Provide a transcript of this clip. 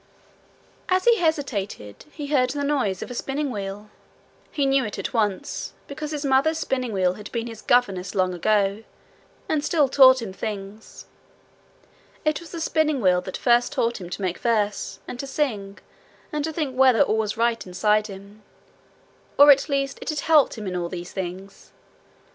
As he hesitated, he heard the noise of a spinning wheel. He knew it at once, because his mother's spinning wheel had been his governess long ago, and still taught him things. It was the spinning wheel that first taught him to make verses, and to sing, and to think whether all was right inside him; or at least it had helped him in all these things.